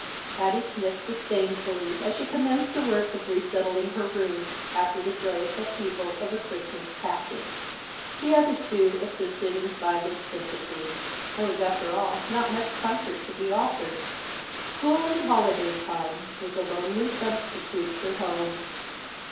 Patty sniffed disdainfully as she commenced the work of resettling her room, after the joyous upheaval of a Christmas packing. The other two assisted in silent sympathy. There was after all not much comfort to be offered. School in holiday time was a lonely substitute for home.